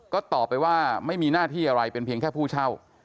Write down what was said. ก็ตอบไปว่าไม่มีหน้าที่อะไรเป็นเพียงแค่ผู้เช่า